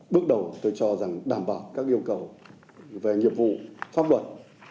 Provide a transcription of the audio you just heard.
bước đầu tôi cho rằng đảm bảo các yêu cầu về nghiệp vụ pháp luật